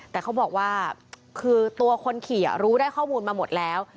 แต่เขาบอกว่าคือตัวคนขี่รู้ได้ข้อมูลมาหมดแล้ว